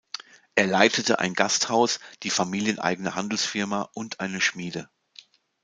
Er leitete ein Gasthaus, die familieneigene Handelsfirma und eine Schmiede.